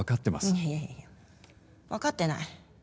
いやいやいや分かってない。